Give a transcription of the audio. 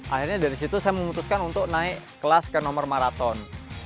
akhirnya dari situ saya memutuskan untuk naik kelas ke nomor maraton